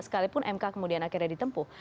sekalipun mk kemudian akhirnya ditempuh